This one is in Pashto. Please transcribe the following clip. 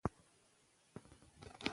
مشرقي ولسونه مجبوري دي چې ملي پاڅون وکړي.